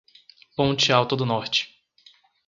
Ponte Alta do Norte